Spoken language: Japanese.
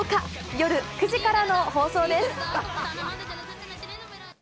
夜９時からの放送です。